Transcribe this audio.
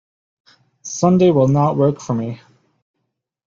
Sunday will not work for me.